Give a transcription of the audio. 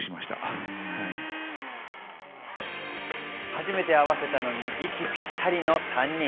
初めて合わせたのに息ピッタリの３人。